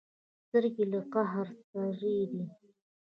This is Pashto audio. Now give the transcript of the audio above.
سترګې یې له قهره سرې دي.